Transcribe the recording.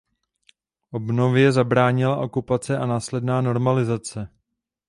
Obnově zabránila okupace a následná normalizace.